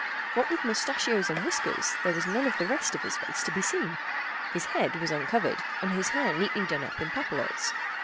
What with mustachios and whiskers, there was none of the rest of his face to be seen. His head was uncovered, and his hair neatly done up in papillotes.